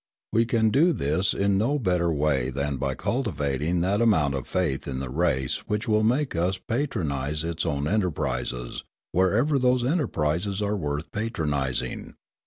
We can do this in no better way than by cultivating that amount of faith in the race which will make us patronise its own enterprises wherever those enterprises are worth patronising.